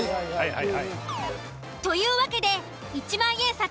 はい。